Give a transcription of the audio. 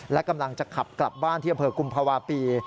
และกำลังจะขับกลับบ้านที่อกุมภวาปี